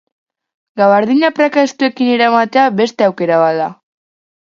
Gabardina praka estuekin eramatea beste aukera bat da.